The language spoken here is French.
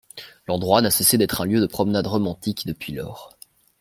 L'endroit n'a cessé d'être un lieu de promenade romantique depuis lors.